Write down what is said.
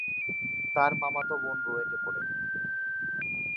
তার মামাতো বোন রুয়েটে পড়ে।